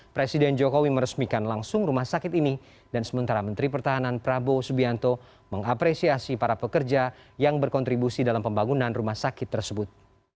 presiden jokowi meresmikan langsung rumah sakit ini dan sementara menteri pertahanan prabowo subianto mengapresiasi para pekerja yang berkontribusi dalam pembangunan rumah sakit tersebut